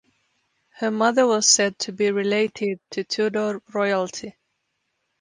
Her mother was said to be related to Tudor royalty.